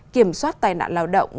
kiểm soát tai nạn lao động